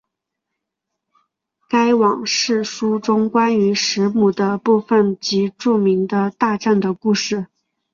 该往世书中关于时母的部分即著名的大战的故事。